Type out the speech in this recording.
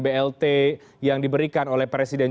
blt yang diberikan oleh presiden